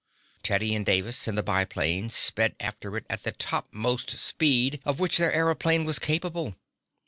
Teddy and Davis, in the biplane, sped after it at the topmost speed of which their aëroplane was capable.